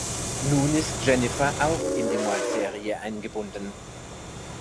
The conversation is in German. Nun ist Jennifer auch in die Mordserie eingebunden.